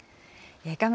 画面